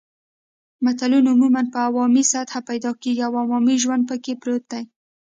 متلونه عموماً په عوامي سطحه پیدا کېږي او عوامي ژوند پکې پروت وي